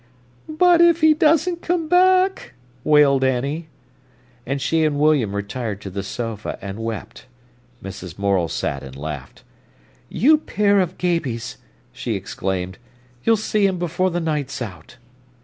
"But if he doesn't come back," wailed Annie. And she and William retired to the sofa and wept. Mrs. Morel sat and laughed. "You pair of gabeys!" she exclaimed. "You'll see him before the night's out."